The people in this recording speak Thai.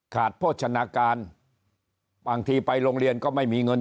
โภชนาการบางทีไปโรงเรียนก็ไม่มีเงิน